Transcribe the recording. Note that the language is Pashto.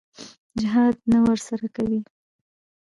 جهاد نه ورسره کوي.